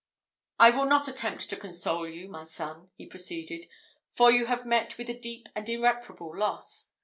"I will not attempt to console you, my son," he proceeded, "for you have met with a deep and irreparable loss.